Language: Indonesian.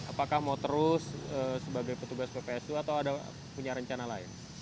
apakah mau terus sebagai petugas ppsu atau ada punya rencana lain